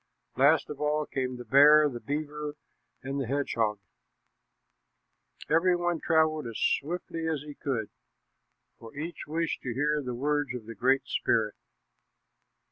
Last of all came the bear, the beaver, and the hedgehog. Every one traveled as swiftly as he could, for each wished to hear the words of the Great Spirit.